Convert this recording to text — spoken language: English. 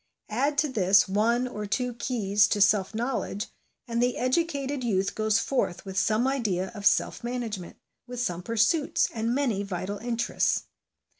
Add to this one or two keys to self knowledge, and the educated youth goes forth with some idea of self management, with some pursuits, and many vital interests.